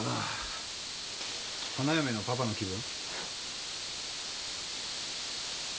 花嫁のパパの気分？